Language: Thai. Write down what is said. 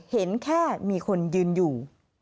เห็นแค่มีคนยืนอยู่